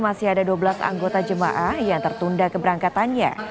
masih ada dua belas anggota jemaah yang tertunda keberangkatannya